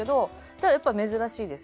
ただやっぱり珍しいです。